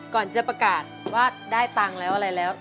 ก่อนจะประกาศว่าได้ตังค์แล้วอะไรแล้ว